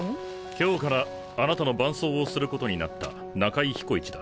今日からあなたの伴走をすることになった中居彦一だ。